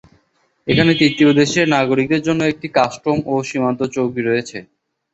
এখানে তৃতীয় দেশের নাগরিকদের জন্য একটি কাস্টম ও সীমান্ত চৌকি রয়েছে।